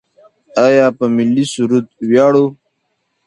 آیا په ملي سرود ویاړو؟